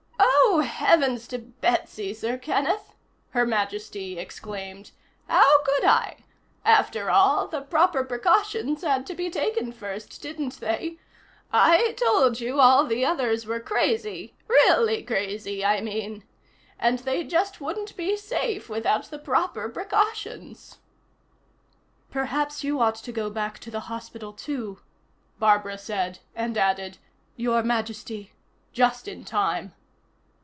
"Oh, heavens to Betsy, Sir Kenneth," Her Majesty exclaimed. "How could I? After all, the proper precautions had to be taken first, didn't they? I told you all the others were crazy really crazy, I mean. And they just wouldn't be safe without the proper precautions." "Perhaps you ought to go back to the hospital, too," Barbara said, and added: "Your Majesty," just in time.